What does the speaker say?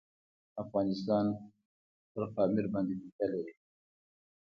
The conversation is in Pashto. افغانستان په پامیر باندې تکیه لري.